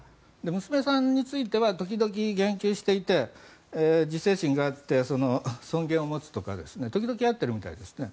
娘さんについては時々言及していて自制心があって尊敬を持つとか時々会っているみたいですね。